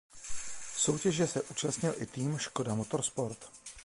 Soutěže se účastnil i tým Škoda Motorsport.